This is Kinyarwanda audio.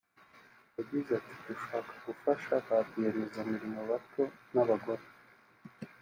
yagize ati “Dushaka gufasha ba rwiyemezamirimo bato n’abagore